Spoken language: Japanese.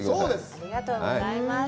ありがとうございます。